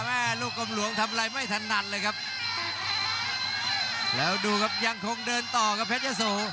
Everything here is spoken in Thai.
ลูกกลมหลวงทำอะไรไม่ถนัดเลยครับแล้วดูครับยังคงเดินต่อครับเพชรยะโส